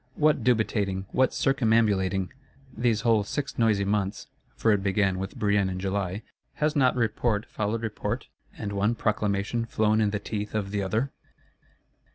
What dubitating, what circumambulating! These whole six noisy months (for it began with Brienne in July,) has not Report followed Report, and one Proclamation flown in the teeth of the other?